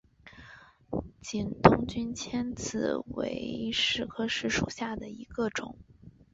景东君迁子为柿科柿属下的一个种。